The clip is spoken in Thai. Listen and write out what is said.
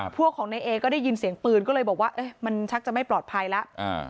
พวกของในเอก็ได้ยินเสียงปืนก็เลยบอกว่ามันชักจะไม่ปลอดภัยแล้ว